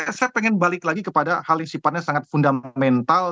saya pengen balik lagi kepada hal yang sifatnya sangat fundamental